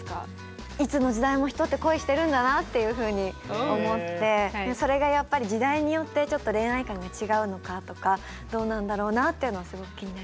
いつの時代も人って恋してるんだなっていうふうに思ってそれがやっぱり時代によってちょっと恋愛観が違うのかとかどうなんだろうなっていうのはすごく気になります。